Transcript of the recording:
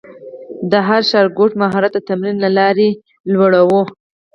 د هر شاګرد مهارت د تمرین له لارې لوړاوه.